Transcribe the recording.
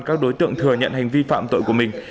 các đối tượng thừa nhận hành vi phạm tội của mình